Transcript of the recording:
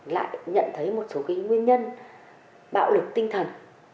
lại nhận thấy một số cái nguyên nhân bạo lực tinh thần